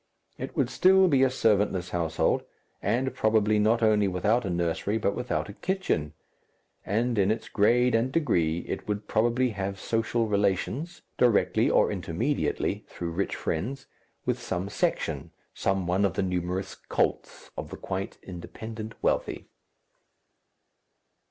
It would still be a servantless household, and probably not only without a nursery but without a kitchen, and in its grade and degree it would probably have social relations directly or intermediately through rich friends with some section, some one of the numerous cults of the quite independent wealthy.